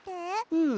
うん。